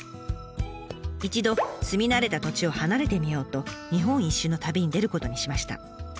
一度住み慣れた土地を離れてみようと日本一周の旅に出ることにしました。